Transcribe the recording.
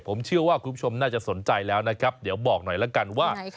ผมเชื่อว่าคุณผู้ชมน่าจะสนใจแล้วนะครับเดี๋ยวบอกหน่อยละกันว่า